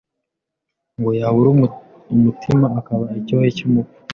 ngo yabura umutima akaba icyohe cy’umupfu